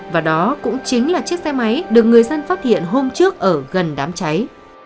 và đó cũng chính là chiếc xe máy được người dân phát hiện hôm trước ở gần đám cháy